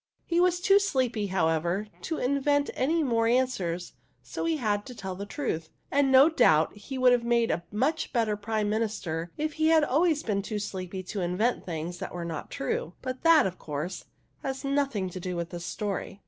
He was too sleepy, however, to invent any more an swers, so he had to tell the truth ; and no doubt he would have made a much better Prime Minister if he had always been too sleepy to invent things that were not true, but that, of course, has nothing to do with the story.